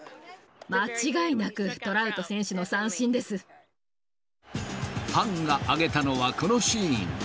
間違いなくトラウト選手の三ファンが挙げたのは、このシーン。